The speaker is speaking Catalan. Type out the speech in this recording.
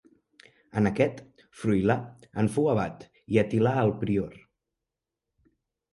En aquest, Froilà en fou abat i Atilà el prior.